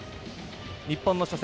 日本の初戦